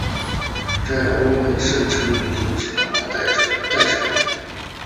在欧美堪称旅行指南的代称。